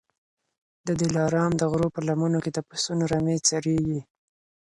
د دلارام د غرو په لمنو کي د پسونو رمې څرېږي